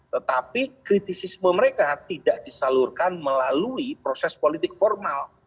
tetapi kritisisme mereka tidak disalurkan melalui proses politik formal